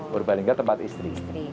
purbalingga tempat istri